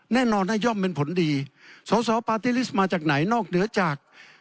แน่นอนนะย่อมเป็นผลดีสอสอปาร์ตี้ลิสต์มาจากไหนนอกเหนือจาก